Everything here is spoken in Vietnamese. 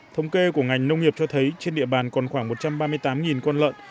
thống kê của ngành nông nghiệp cho thấy trên địa bàn còn khoảng một trăm ba mươi tám con lợn